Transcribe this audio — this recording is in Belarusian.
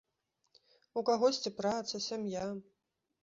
У кагосьці праца, сям'я.